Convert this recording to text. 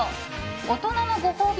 大人のご褒美